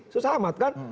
susah amat kan